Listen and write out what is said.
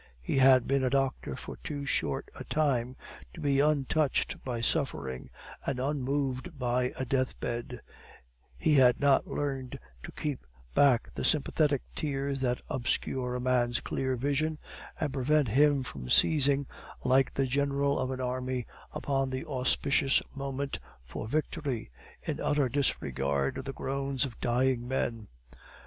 He had been a doctor for too short a time to be untouched by suffering and unmoved by a deathbed; he had not learned to keep back the sympathetic tears that obscure a man's clear vision and prevent him from seizing like the general of an army, upon the auspicious moment for victory, in utter disregard of the groans of dying men.